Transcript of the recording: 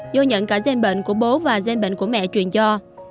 do nhận cả gian bệnh của bố và gen bệnh của mẹ truyền cho